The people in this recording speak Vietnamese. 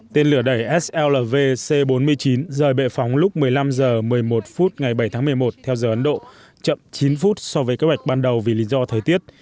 tên lửa đẩy slv c bốn mươi chín rời bệ phóng lúc một mươi năm h một mươi một phút ngày bảy tháng một mươi một theo giờ ấn độ chậm chín phút so với kế hoạch ban đầu vì lý do thời tiết